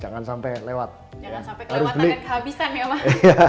jangan sampai kelewatan dan kehabisan ya mak